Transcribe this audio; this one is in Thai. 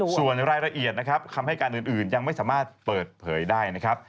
ส่วนรายละเอียดนะครับคำให้การอื่นยังไม่สามารถเปิดเผยได้นะครับ